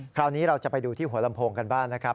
คราวนี้เราจะไปดูที่หัวลำโพงกันบ้างนะครับ